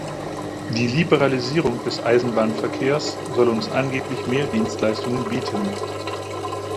Die Liberalisierung des Eisenbahnverkehrs soll uns angeblich mehr Dienstleistungen bieten.